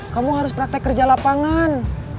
kamu harus praktek kerja lapangan